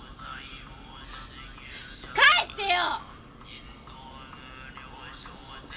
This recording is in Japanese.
帰ってよ！